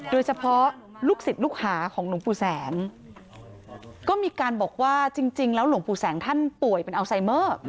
ลูกศิษย์ลูกหาของหลวงปู่แสงก็มีการบอกว่าจริงแล้วหลวงปู่แสงท่านป่วยเป็นอัลไซเมอร์